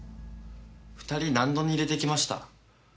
２人納戸に入れてきました。